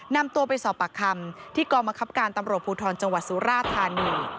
นำตัวไปสอบปากคำที่กองบังคับการตำรวจภูทรจังหวัดสุราธานี